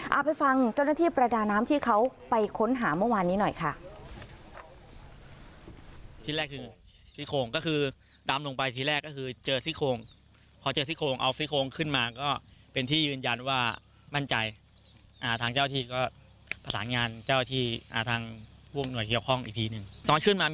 เอาไปฟังเจ้าหน้าที่ประดาน้ำที่เขาไปค้นหาเมื่อวานนี้หน่อยค่ะ